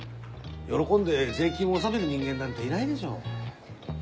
喜んで税金納める人間なんていないでしょ。